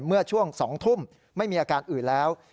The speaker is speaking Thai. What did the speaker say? เมื่อช่วง๒ทุ่มไม่มีอาการอื่นแล้ว